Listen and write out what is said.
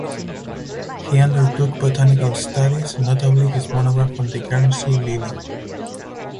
He undertook botanical studies, notably his monograph on the Guernsey Lily.